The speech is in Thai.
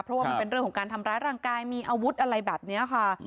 เพราะว่ามันเป็นเรื่องของการทำร้ายร่างกายมีอาวุธอะไรแบบนี้ค่ะ